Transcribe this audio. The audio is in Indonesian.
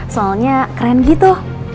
soalnya keren gitu